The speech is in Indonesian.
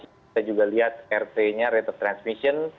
kita juga lihat rt nya rate transmission